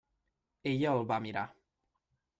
Ella el va mirar.